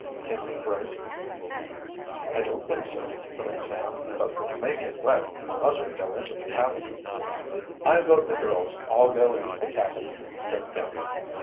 came from Grace. "I don't think so," put in Sam. "But we may get wet, unless we go into the cabin." "I vote the girls all go into the cabin," said Dick.